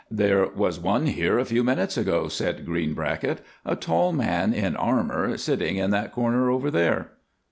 "There was one here a few minutes ago," said Greenbracket, "a tall man in armour sitting in that corner over there."